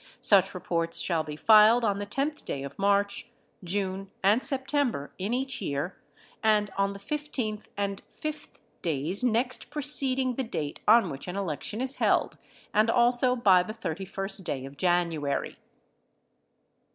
Such reports shall be filed on the 10th day of March, June, and Septem ber, in each year, and on the 15th and 5th days next preceding the date on which an election is held, and also by the 31st day of January.